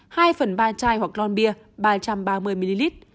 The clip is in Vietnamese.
hai phần ba chai hoặc ron bia ba trăm ba mươi ml